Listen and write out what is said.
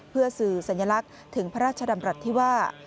เพื่อสื่อสัญลักษณ์ถึงพระราชดำรัฐที่ว่า